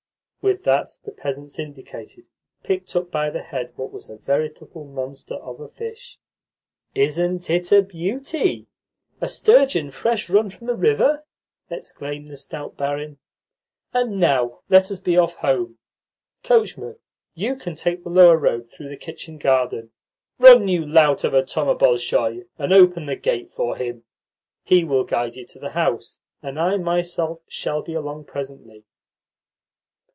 With that the peasants indicated picked up by the head what was a veritable monster of a fish. "Isn't it a beauty a sturgeon fresh run from the river?" exclaimed the stout barin. "And now let us be off home. Coachman, you can take the lower road through the kitchen garden. Run, you lout of a Thoma Bolshoy, and open the gate for him. He will guide you to the house, and I myself shall be along presently."